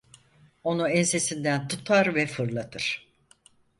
Onu ensesinden tutar ve fırlatır.